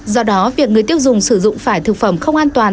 do đó việc người tiêu dùng sử dụng phải thực phẩm không an toàn